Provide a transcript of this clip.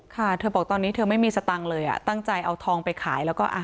ค่ะเธอบอกตอนนี้เธอไม่มีสตังค์เลยอ่ะตั้งใจเอาทองไปขายแล้วก็อ่ะ